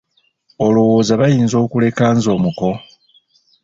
Olowooza bayinza okuleka nze omuko?